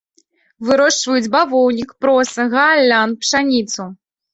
Вырошчваюць бавоўнік, проса, гаалян, пшаніцу.